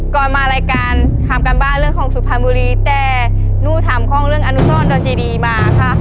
มารายการถามการบ้านเรื่องของสุพรรณบุรีแต่หนูถามข้องเรื่องอนุสรดนเจดีมาค่ะ